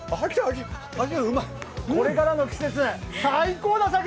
これからの季節、最高。